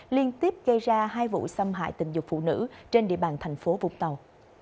liên tiếp gây ra hai vụ xâm hại tình dục phụ nữ trên địa bàn thành phố vũng tàu